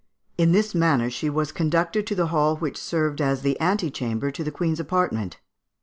In this manner she was conducted to the hall which served as the ante chamber to the Queen's apartment.